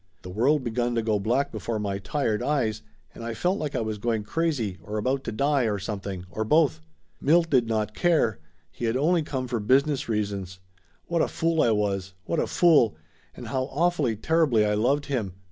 The world begun to go black before my tired eyes and I felt like I was going crazy, or about to die, or something, or both ! Milt did not care ! He had come only for business reasons! What a fool I was, what a fool, and how awfully, terribly, I loved him